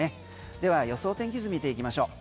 では、予想天気図見ていきましょう。